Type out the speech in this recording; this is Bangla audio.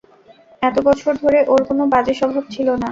এত বছর ধরে ওর কোনো বাজে স্বভাব ছিল না।